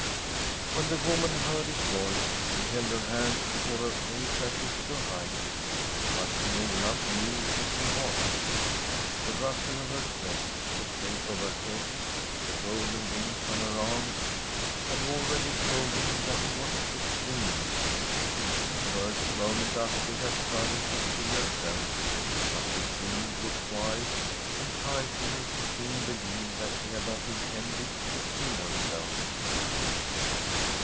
When the woman heard his voice she held her hands before her face as if to hide it. But King Olaf knew who she was. The rustle of her dress, the shape of her head, the golden rings on her arms had already told him that it was the Queen. The first moment Astrid had struggled to free herself, but she soon grew quiet, and tried to make the King believe that she had not intended to kill herself.